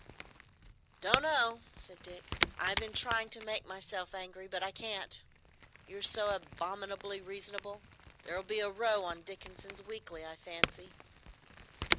"Don't know, said Dick. "I've been trying to make myself angry, but I can't, you're so abominably reasonable. There will be a row on Dickenson's Weekly, I fancy."